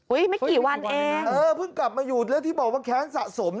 ไม่กี่วันเองเออเพิ่งกลับมาอยู่แล้วที่บอกว่าแค้นสะสม